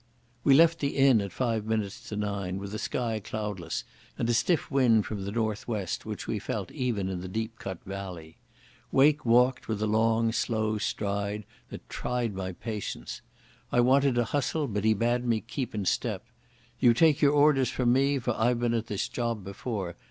We left the inn at five minutes to nine, with the sky cloudless and a stiff wind from the north west, which we felt even in the deep cut valley. Wake walked with a long, slow stride that tried my patience. I wanted to hustle, but he bade me keep in step. "You take your orders from me, for I've been at this job before.